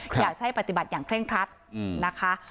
อยากให้ปฏิบัติอย่างเร่งครัดนะคะ